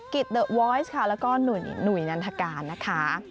เดอะวอยซ์ค่ะแล้วก็หนุ่ยนันทการนะคะ